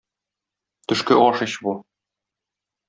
Төшке аш ич бу!